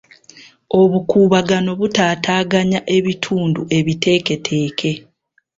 Obukuubagano butaataaganya ebitundu ebiteeketeeke.